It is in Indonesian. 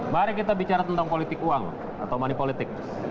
mari kita bicara tentang politik uang atau money politics